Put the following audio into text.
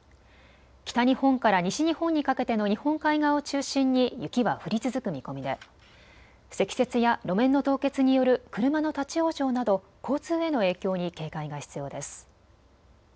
北日本から西日本にかけての日本海側を中心に雪は降り続く見込みで積雪や路面の凍結による車の立往生など交通への影響に警戒が必要です。